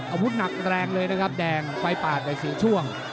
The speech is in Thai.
อาวุธหนักแรงเลยนะครับแดงไฟปาดไป๔ช่วง